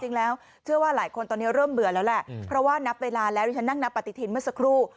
จริงแล้วเชื่อว่าหลายคนตอนนี้เริ่มเบื่อแล้วแหละเพราะว่านับเวลาแล้วที่ฉันนั่งนับปฏิทินเมื่อสักครู่